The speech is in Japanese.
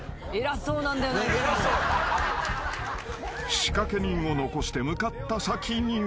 ［仕掛け人を残して向かった先には］